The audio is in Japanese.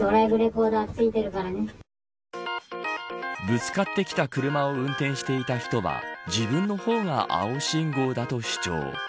ぶつかってきた車を運転していた人は自分の方が青信号だと主張。